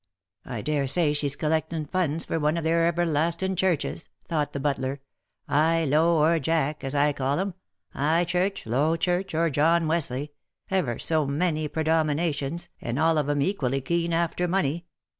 " I dare say she^s coUectin^ funds for one of their everlastin^ churches," thought the butler, ^' 'igh, low, or Jack, as I call 'em — 'igh church, low church, or John Wesley — ever so many predominations, and all of 'em equally keen after money.